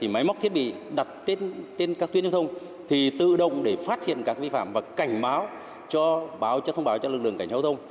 máy móc thiết bị đặt trên các tuyến giao thông tự động để phát hiện các vi phạm và cảnh báo cho lực lượng cảnh giao thông